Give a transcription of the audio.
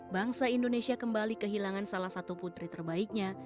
bangsa indonesia kembali kehilangan salah satu putri terbaiknya